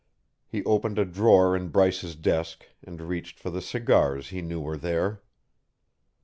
He opened a drawer in Bryce's desk and reached for the cigars he knew were there.